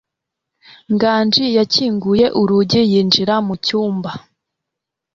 Nganji yakinguye urugi yinjira mu cyumba.